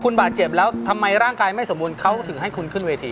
คุณบาดเจ็บแล้วทำไมร่างกายไม่สมบูรณ์เขาถึงให้คุณขึ้นเวที